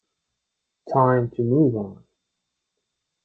Time to Move on.